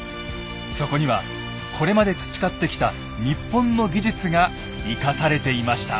そこにはこれまで培ってきた日本の技術が生かされていました。